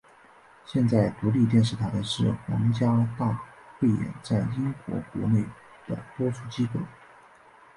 现在独立电视台是皇家大汇演在英国国内的播出机构。